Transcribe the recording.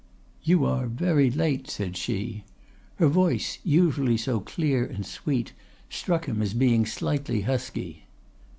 "'You are very late,' said she.—Her voice, usually so clear and sweet, struck him as being slightly husky.